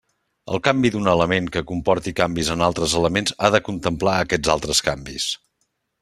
El canvi d'un element que comporti canvis en altres elements ha de contemplar aquests altres canvis.